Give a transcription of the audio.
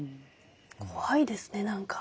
怖いですね何か。